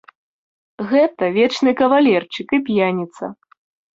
Гэта вечны кавалерчык і п'яніца.